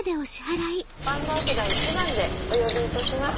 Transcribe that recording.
番号札１番でお呼びいたします。